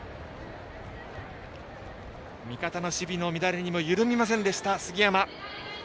味方の守備の乱れにも揺らぎませんでした、杉山。